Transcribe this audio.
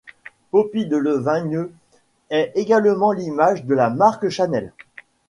Poppy Delevingne est également l'image de la marque Chanel.